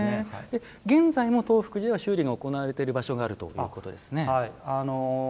現在も東福寺は修理が行われている場所があるということですね。